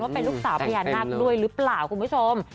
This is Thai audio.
เป็นลูกสาวพญานาคด้วยหรือเปล่าคุณผู้ชม